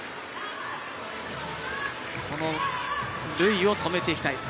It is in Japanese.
このルイを止めていきたい。